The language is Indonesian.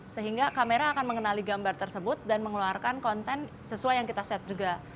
sehingga kamera akan mengenali gambar tersebut dan mengeluarkan konten sesuai yang kita set juga